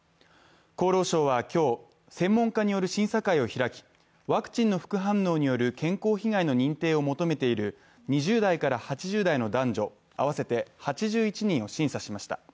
厚労省は今日、専門家による審査会を開き、ワクチンの副反応による健康被害の認定を求めている２０代から８０代の男女、合わせて８１人を審査しました。